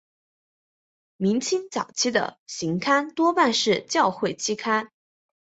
晚清早期的期刊多半是教会期刊。